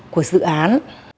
của dự án